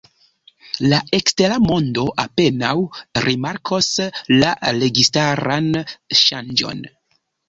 La ekstera mondo apenaŭ rimarkos la registaran ŝanĝon.